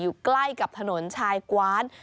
อยู่ใกล้กับถนนชายกว้าน